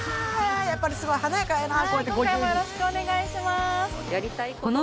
やっぱりすごい華やかやな